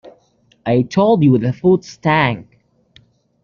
I told you the food stank.